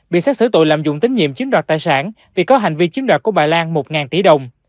bị xét xử tội lạm dụng tín nhiệm chiếm đoạt tài sản vì có hành vi chiếm đoạt của bà lan một tỷ đồng